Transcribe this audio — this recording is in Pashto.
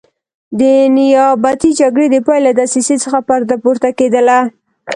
د نیابتي جګړې د پیل له دسیسې څخه پرده پورته کېدله.